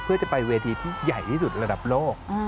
เพื่อจะไปเวทีที่ใหญ่ที่สุดระดับโลก